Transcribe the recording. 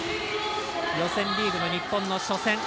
予選リーグの日本の初戦。